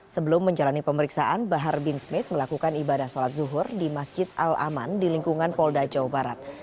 sebelum menjalani pemeriksaan bahar bin smith melakukan ibadah sholat zuhur di masjid al aman di lingkungan polda jawa barat